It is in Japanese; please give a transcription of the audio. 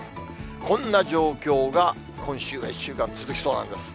こんな状況が、今週は１週間続きそうなんです。